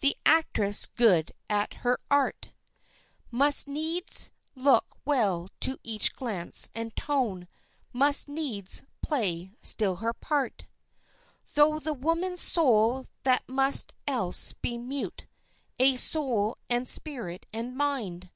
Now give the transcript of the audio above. The actress good at her art Must needs look well to each glance and tone, must needs play still her part Tho' the woman's soul that must else be mute; aye soul and spirit and mind!